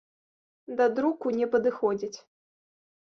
Да друку не падыходзіць.